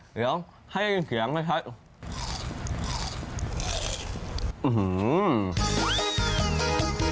เดี๋ยวให้ยินเสียงให้ชัด